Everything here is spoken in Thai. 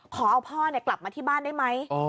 ขอเอาพ่อกลับมาที่บ้านได้ไหม